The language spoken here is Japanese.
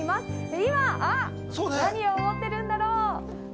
今、何を思ってるんだろう。